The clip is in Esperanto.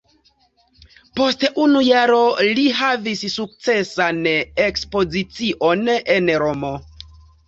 Post unu jaro li havis sukcesan ekspozicion en Romo.